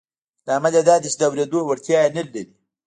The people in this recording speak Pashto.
لامل یې دا دی چې د اورېدو وړتیا نه لري